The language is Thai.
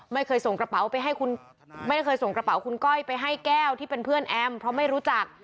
ไม่เคยส่งกระเป๋าคุณก้อยไปให้แก้วที่เป็นเพื่อนแอมม์เพราะไม่รู้จัก